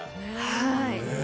はい。